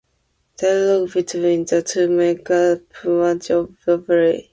Dialogue between the two makes up much of the play.